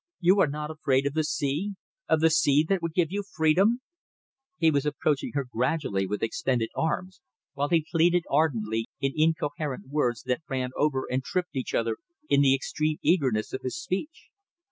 ... You are not afraid of the sea ... of the sea that would give me freedom ..." He was approaching her gradually with extended arms, while he pleaded ardently in incoherent words that ran over and tripped each other in the extreme eagerness of his speech.